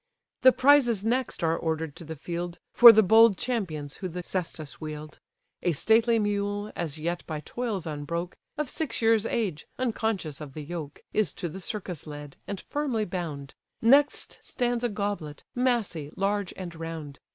The prizes next are order'd to the field, For the bold champions who the caestus wield. A stately mule, as yet by toils unbroke, Of six years' age, unconscious of the yoke, Is to the circus led, and firmly bound; Next stands a goblet, massy, large, and round.